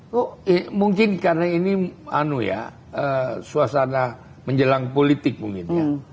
kok mungkin karena ini anu ya suasana menjelang politik mungkin ya